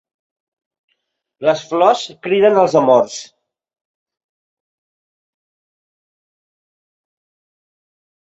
Les flors criden els amors.